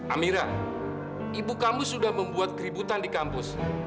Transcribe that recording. amira ibu kamu sudah membuat keributan di kampus